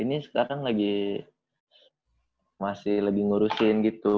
ini sekarang lagi masih lagi ngurusin gitu